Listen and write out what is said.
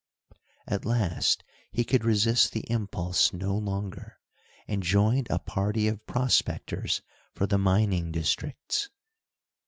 At last he could resist the impulse no longer, and joined a party of prospectors for the mining districts.